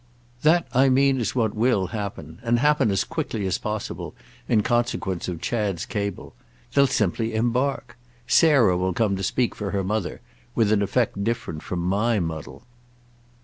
"That, I mean, is what will happen—and happen as quickly as possible—in consequence of Chad's cable. They'll simply embark. Sarah will come to speak for her mother—with an effect different from my muddle."